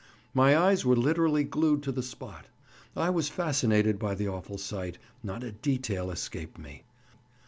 My eyes were literally glued to the spot. I was fascinated by the awful sight; not a detail escaped me.